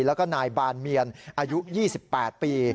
แล้วก็นายบานเมียนอายุ๒๘ปี